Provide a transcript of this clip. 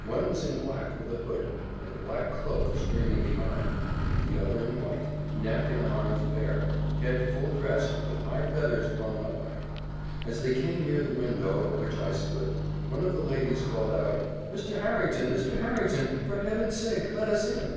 One was in black, with a hood, and a black cloak streaming behind; the other in white, neck and arms bare, head full dressed, with high feathers blown upright. As they came near the window at which I stood, one of the ladies called out, "Mr. Harrington! Mr. Harrington! For Heaven's sake let us in!"